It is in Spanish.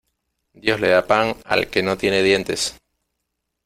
Dios le da pan, al que no tiene dientes.